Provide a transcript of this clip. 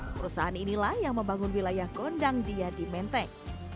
perusahaan inilah yang membangun wilayah gondang dia di menteng